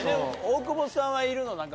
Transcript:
大久保さんはいるの？